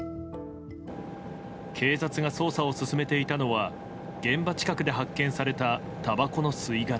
警察が捜査を進めていたのは現場近くで発見されたたばこの吸い殻。